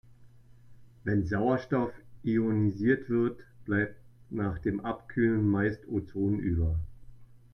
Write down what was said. Wenn Sauerstoff ionisiert wird, bleibt nach dem Abkühlen meist Ozon über.